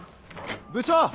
部長！